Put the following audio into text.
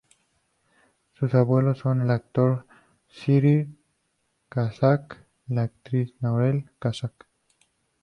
Sus abuelos son el actor Cyril Cusack y la actriz Maureen Cusack.